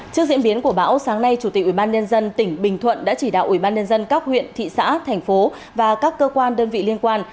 trước diễn biến của bão sáng nay chủ tịch ubnd tỉnh bình thuận đã chỉ đạo ubnd các huyện thị xã thành phố và các cơ quan đơn vị liên quan